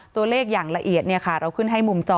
ตัวเลขอย่างละเอียดเราขึ้นให้มุมจอ